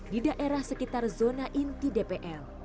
di daerah sekitar zona inti dpl